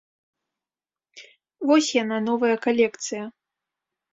Вось яна, новая калекцыя.